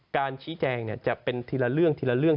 การชี้แจงเนี่ยจะเป็นทีละเรื่อง